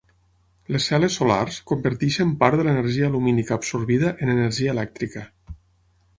Les cel·les solars converteixen part de l'energia lumínica absorbida en energia elèctrica.